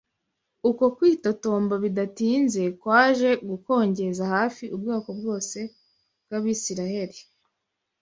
Uku kwitotomba bidatinze kwaje gukongeza hafi ubwoko bwose bw’Abisiraheli